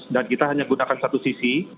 dan kita hanya gunakan satu sisi